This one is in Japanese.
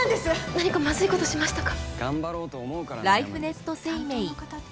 何かまずいことしましたか？